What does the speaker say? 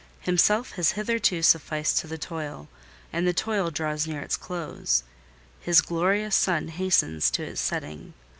Himself has hitherto sufficed to the toil, and the toil draws near its close: his glorious sun hastens to its setting.